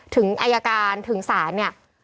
ถึงอายการถึงศาลเนี่ย